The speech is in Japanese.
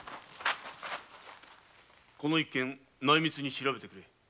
この一件内密に調べてくれ。